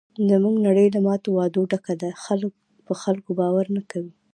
زموږ نړۍ له ماتو وعدو ډکه ده. خلک په خلکو باور نه کوي.